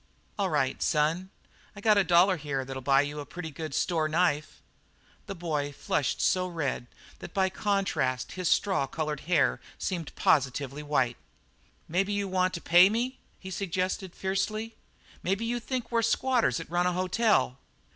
"All right son. I got a dollar here that'll buy you a pretty good store knife." The boy flushed so red that by contrast his straw coloured hair seemed positively white. "Maybe you want to pay me?" he suggested fiercely. "Maybe you think we're squatters that run a hotel?"